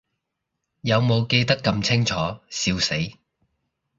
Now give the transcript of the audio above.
有無記得咁清楚，笑死